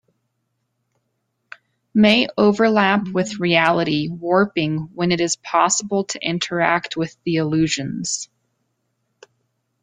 May overlap with reality warping when it is possible to interact with the illusions.